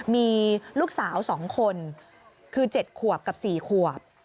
มีลูกสาว๒คนคือ๗ขวบกับ๔ขวบ